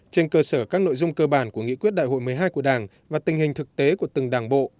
trên cơ sở các nội dung cơ bản của nghị quyết đại hội một mươi hai của đảng và tình hình thực tế của từng đảng bộ